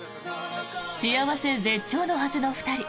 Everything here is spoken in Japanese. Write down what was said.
幸せ絶頂のはずの２人。